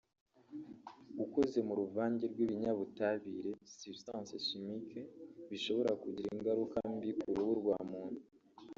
ukoze mu ruvange rw’ibinyabutabire (substances chimiques) bishobora kugira ingaruka mbi ku ruhu rwa muntu